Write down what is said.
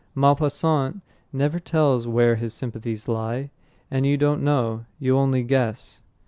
Maupassant never tells where his sympathies lie, and you don't know; you only guess.